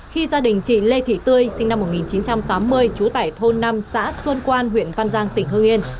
khi gia đình chị lê thị tươi sinh năm một nghìn chín trăm tám mươi trú tại thôn năm xã xuân quan huyện văn giang tỉnh hương yên